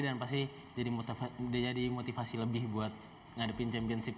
dan pasti jadi motivasi lebih buat ngadepin champions league